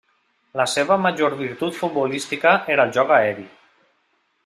La seva major virtut futbolística era el joc aeri.